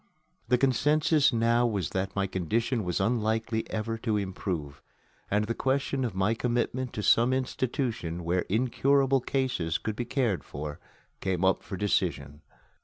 The consensus now was that my condition was unlikely ever to improve, and the question of my commitment to some institution where incurable cases could be cared for came up for decision.